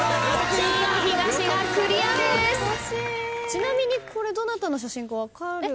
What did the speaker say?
ちなみにこれどなたの写真か分かる方。